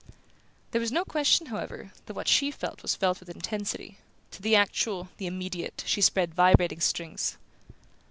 There was no question, however, that what she felt was felt with intensity: to the actual, the immediate, she spread vibrating strings.